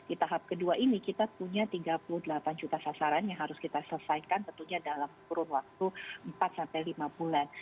di tahap kedua ini kita punya tiga puluh delapan juta sasaran yang harus kita selesaikan tentunya dalam kurun waktu empat sampai lima bulan